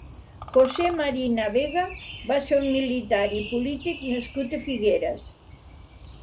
José Marina Vega va ser un militar i polític nascut a Figueres.